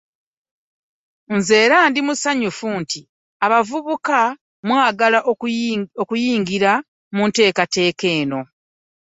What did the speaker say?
Nze era ndi musanyufu nti abavubuka mwagala okwenyigira mu nteekateeka eno